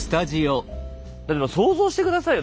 想像して下さいよ。